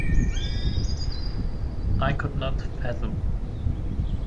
I could not fathom.